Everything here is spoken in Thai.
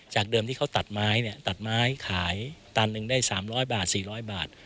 จากเดิมที่เขาตดไม้ตดไม้ขายตัลหนึ่งได้๓๐๐บาท๔๐๐บาท